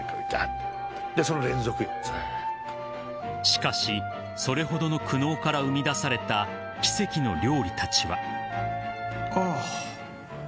［しかしそれほどの苦悩から生み出された奇跡の料理たちは］